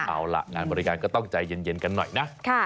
เอาล่ะงานบริการก็ต้องใจเย็นกันหน่อยนะ